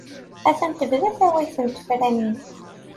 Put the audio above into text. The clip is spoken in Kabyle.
Attan tebda tawayt n tefranin.